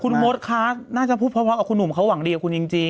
คุณมดคะน่าจะพูดพร้อมกับคุณหนุ่มเขาหวังดีกับคุณจริง